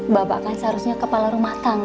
bapak kan seharusnya kepala rumah tangga